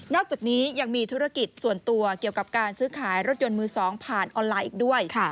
อกจากนี้ยังมีธุรกิจส่วนตัวเกี่ยวกับการซื้อขายรถยนต์มือ๒ผ่านออนไลน์อีกด้วย